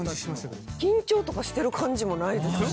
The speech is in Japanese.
緊張とかしてる感じもないですし。